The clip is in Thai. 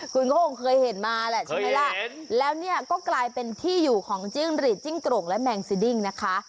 คุณเคยเห็นมาแล้วนี่ก็กลายเป็นที่อยู่ของจิ้งหรีดจิ้งโกรธและแมงซีดิ้งนะคะ